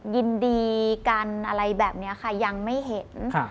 ยินดีกันอะไรแบบนี้ค่ะยังไม่เห็น